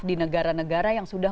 di negara negara yang sudah